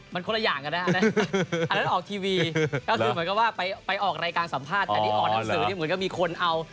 มันคนละอย่างกันนะฮะอันนั้นออกทีวีก็คือเหมือนกับว่าไปออกรายการสัมภาษณ์อันนี้ออกหนังสือนี่เหมือนกับมีคนเอา